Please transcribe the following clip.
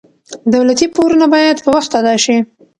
دولتي پورونه باید په وخت ادا شي.